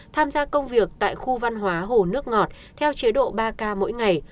tham gia công việc tại khu văn hóa hồ nước ngọt theo chế độ ba k mỗi ngày